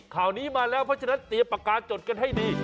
ข่าวนี้มาแล้วเพราะฉะนั้นเตรียมปากกาจดกันให้ดี